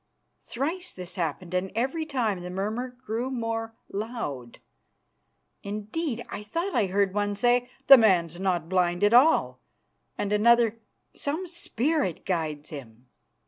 Thrice this happened, and every time the murmur grew more loud. Indeed, I thought I heard one say, "The man's not blind at all," and another, "Some spirit guides him."